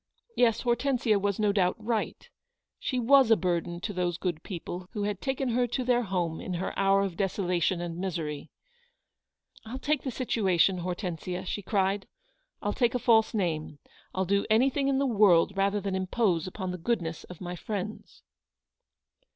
Yes, Hortensia was no doubt right. MRS. BANNISTEB HOLDS OUT A HELPING HAND. 213 She was a burden to those good people who had taken her to their home in her hour of desolation and misery. " I'll take the situation, Hortensia," she cried. " I'll take a false name. Til do anything in the world rather than impose upon the goodness of my friends."